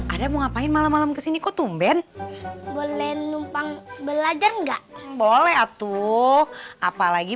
ada mau ngapain malam malam kesini kok tumben boleh numpang belajar enggak boleh aku apalagi